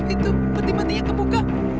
itu penting pentingnya kebuka